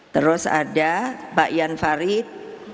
terus ada pak ian farid